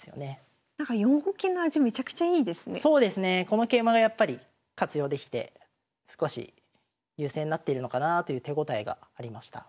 この桂馬がやっぱり活用できて少し優勢になってるのかなという手応えがありました。